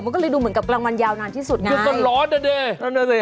ก็เลยดูเหมือนกับกลางวันยาวนานที่สุดไงก็ต้นร้อนอะเนี่ย